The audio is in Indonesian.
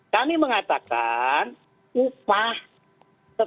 kami mengatakan upah tetap berlaku